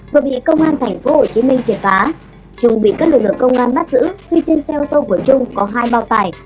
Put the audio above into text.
vừa bị công an thành phố hồ chí minh triển phá chuẩn bị các lực lượng công an bắt giữ khi trên xe ô tô của trung có hai bao tải